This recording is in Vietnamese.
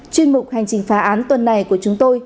chuyên mục hành trình phá án tuần này của chúng tôi